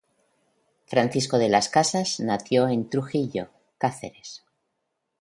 Francisco de las Casas nació en Trujillo, Cáceres.